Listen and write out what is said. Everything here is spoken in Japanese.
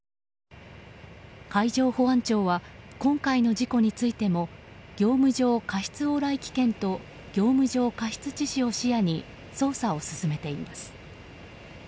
海上保安庁は今回の事故についても業務上過失往来危険と業務上過失致死を視野に捜査を進めています。